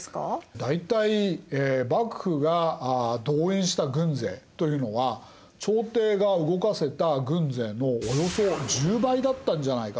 大体幕府が動員した軍勢というのは朝廷が動かせた軍勢のおよそ１０倍だったんじゃないかというふうに。